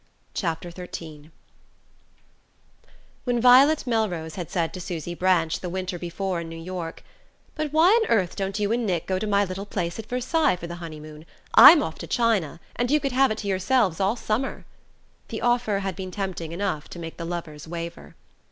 "CORAL" PART II XIII WHEN Violet Melrose had said to Susy Branch, the winter before in New York: "But why on earth don't you and Nick go to my little place at Versailles for the honeymoon? I'm off to China, and you could have it to yourselves all summer," the offer had been tempting enough to make the lovers waver.